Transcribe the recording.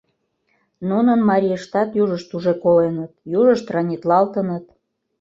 Нунын марийыштат южышт уже коленыт, южышт ранитлалтыныт.